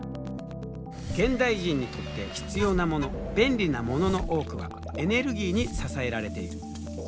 現代人にとって必要なもの便利なものの多くはエネルギーに支えられている。